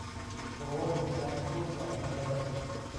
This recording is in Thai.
โห ใครพูด บอกมาเลย